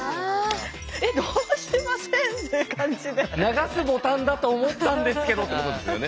「流すボタンだと思ったんですけど」ってことですよね。